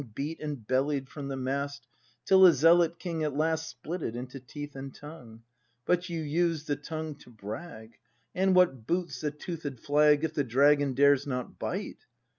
Beat and bellied from the mast Till a zealot king at last Split it into teeth and tongue ? But you used the tongue to brag; And what boots the toothed flag If the dragon dares not bite